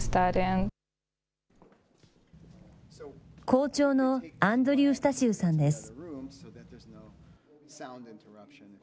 校長のアンドリュー・スタシウさんです。